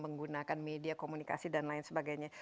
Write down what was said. menggunakan media komunikasi dan lain sebagainya